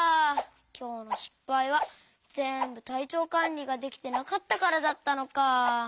きょうのしっぱいはぜんぶたいちょうかんりができてなかったからだったのか。